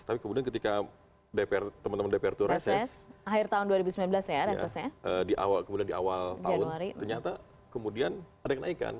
tapi kemudian ketika teman teman dpr itu reses akhir tahun dua ribu sembilan belas ya di awal tahun ternyata kemudian ada kenaikan